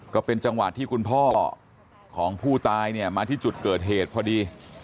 ก็เป็นจังหวะที่คุณพ่อของผู้ตายเนี่ยมาที่จุดเกิดเหตุพอดี